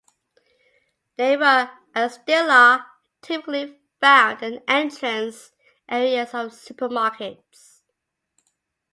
They were (and still are) typically found near the entrance areas of supermarkets.